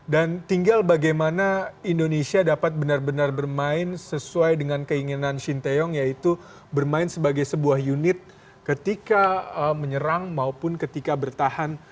dan tinggal bagaimana indonesia dapat benar benar bermain sesuai dengan keinginan shin taeyong yaitu bermain sebagai sebuah unit ketika menyerang maupun ketika bertahan